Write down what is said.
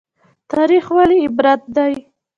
تاریخ ولې عبرت دی؟